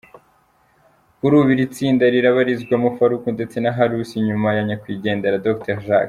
Kuri ubu iri tsinda rirabarizwamo Faruku ndetse na Harusi nyuma ya nyakwigendera Dr Jacques.